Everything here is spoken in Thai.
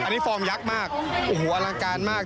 อันนี้ฟอร์มยักษ์มากโอ้โหอลังการมาก